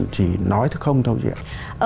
chỉ nói không thôi chị ạ